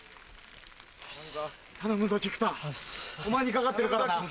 頼むぞ菊田お前にかかってるからな。